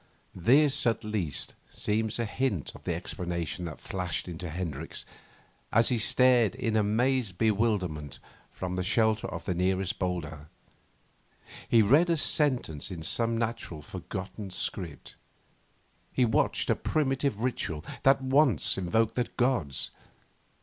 This, at least, seems a hint of the explanation that flashed into Hendricks as he stared in amazed bewilderment from the shelter of the nearest boulder. He read a sentence in some natural, forgotten script. He watched a primitive ritual that once invoked the gods.